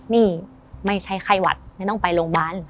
นี่ไม่ใช่ไควัตรไม่ต้องไปโรงบาล